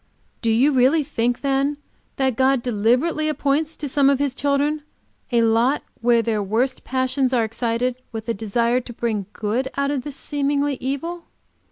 "Do you really think, then, that God deliberately appoints to some of His children a lot where their worst passions are excited, with a desire to bring good out of this seeming evil?